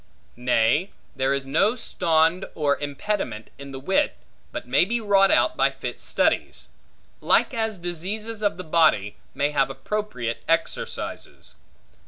Nay, there is no stond or impediment in the wit, but may be wrought out by fit studies; like as diseases of the body, may have appropriate exercises.